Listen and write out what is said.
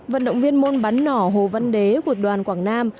vận động viên môn bắn nỏ hồ văn đế của đoàn quảng nam